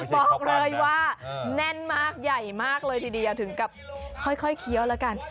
บอกเลยว่าแน่นมากใหญ่มากเลยทีเดียวถึงกับค่อยเคี้ยวแล้วกัน